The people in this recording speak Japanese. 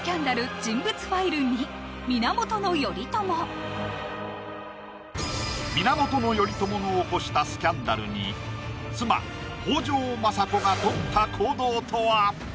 そう源頼朝の起こしたスキャンダルに妻・北条政子がとった行動とは？